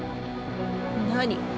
何？